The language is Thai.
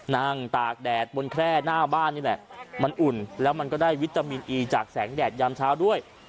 ตากแดดบนแคร่หน้าบ้านนี่แหละมันอุ่นแล้วมันก็ได้วิตามินอีจากแสงแดดยามเช้าด้วย